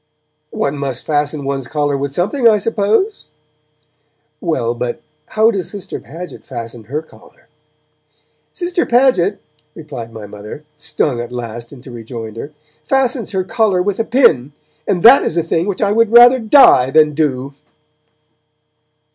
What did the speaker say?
'One must fasten one's collar with something, I suppose?' 'Well, but how does Sister Paget fasten her collar?' 'Sister Paget,' replied my Mother, stung at last into rejoinder, 'fastens her collar with a pin, and that is a thing which I would rather die than do!'